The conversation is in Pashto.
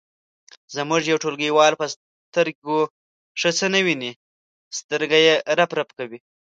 زموږ یو ټولګیوال په سترګو ښه څه نه ویني سترګې یې رپ رپ کوي.